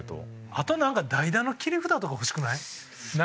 あとなんか代打の切り札とか欲しくない？